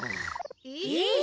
えっ？